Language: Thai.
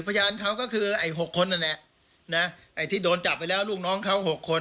พยานเขาก็คือไอ้๖คนนั่นแหละนะไอ้ที่โดนจับไปแล้วลูกน้องเขา๖คน